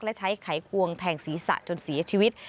และใช้ไขควงแทงศีรษะจนเสียชีวิต